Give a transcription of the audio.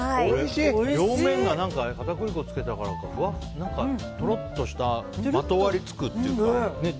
表面が片栗粉をつけたからか、とろっとしたまとわりつくというか。